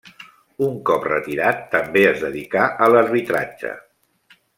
Un cop retirat també es dedicà a l'arbitratge.